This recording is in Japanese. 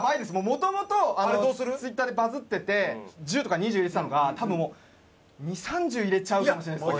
もともとツイッターでバズってて１０とか２０入れてたのが多分もう２０３０入れちゃうかもしれないですね。